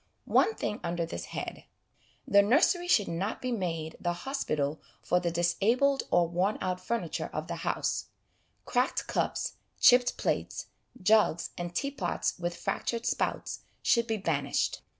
One thing under this head : the nursery should not be made the hospital for the disabled or worn out furniture of the house ; cracked cups, chipped plates, jugs and teapots with fractured spouts, should be banished.